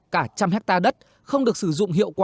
cả trăm hectare đất không được sử dụng hiệu quả